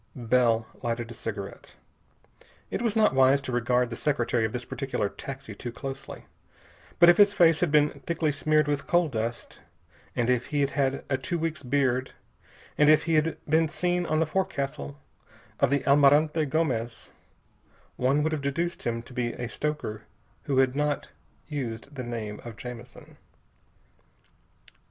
Bell lighted a cigarette. It was not wise to regard the secretary of this particular taxi too closely, but if his face had been thickly smeared with coal dust, and if he had had a two weeks' beard, and if he had been seen on the forecastle of the Almirante Gomez, one would have deduced him to be a stoker who had not used the name of Jamison.